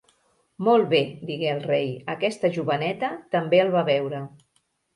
"Molt bé", digué el rei: "Aquesta joveneta també el va veure".